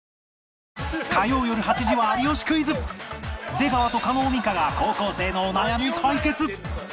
出川と叶美香が高校生のお悩み解決！